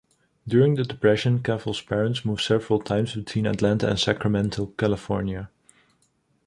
During the Depression, Cavell's parents moved several times between Atlanta and Sacramento, California.